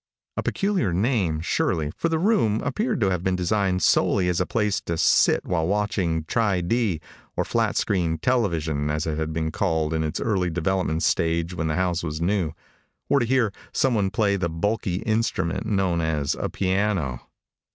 A peculiar name, surely, for the room appeared to have been designed solely as a place to sit while watching Tri D or flat screen television, as it had been called in its early developmental stage when the house was new or to hear someone play the bulky instrument known as a piano.